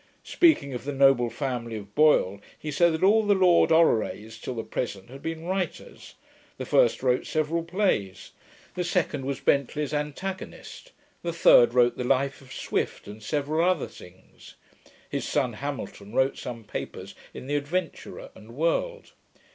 Speaking of the noble family of Boyle, he said, that all the Lord Orrerys, till the present, had been writers. The first wrote several plays; the second was Bentley's antagonist; the third wrote the Life of Swift, and several other things; his son Hamilton wrote some papers in the Adventurer and World.